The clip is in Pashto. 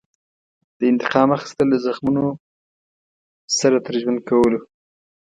د انتقام اخیستل د زخمونو سره تر ژوند کولو.